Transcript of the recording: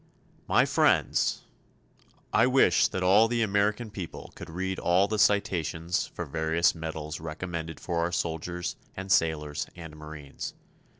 My Friends: I wish that all the Americans people could read all the citations for various medals recommended for our soldiers and sailors and marines.